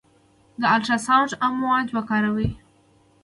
د الټراساونډ امواج کاروي.